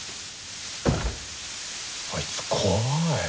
あいつ怖い。